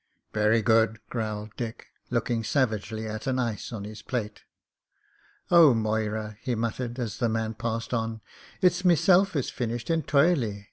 "Very good," growled Dick, looking savagely at an ice on his plate. C*, Moyra," he muttered, as the man passed on, "it's meself is finished entoirely.